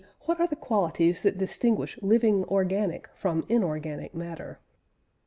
what are the qualities that distinguish living organic from inorganic matter.